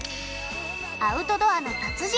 アウトドアの達人